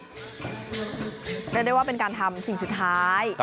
เรียกได้ว่าเป็นการทำสิ่งสุดท้าย